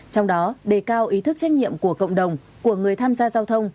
trong đó đề cao ý thức trách nhiệm của cộng đồng của người tham gia giao thông